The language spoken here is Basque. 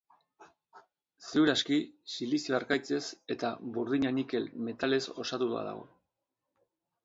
Ziur aski, silizio harkaitzez eta burdina-nikel metalez osatua dago.